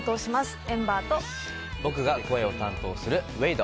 僕が声を担当するウェイド。